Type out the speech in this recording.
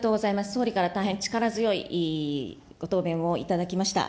総理から大変力強いご答弁をいただきました。